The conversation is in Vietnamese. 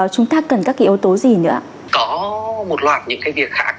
có một loạt những cái việc khác